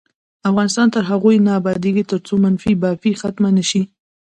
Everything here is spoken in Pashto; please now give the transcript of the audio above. افغانستان تر هغو نه ابادیږي، ترڅو منفي بافي ختمه نشي.